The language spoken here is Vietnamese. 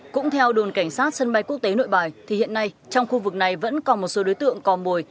cũng theo đồn cảnh sát sân bay quốc tế nội bài thì hiện nay trong khu vực này vẫn còn một số đối tượng cò mồi